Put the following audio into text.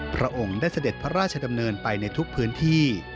พระองค์ได้เสด็จพระราชดำเนินไปในทุกพื้นที่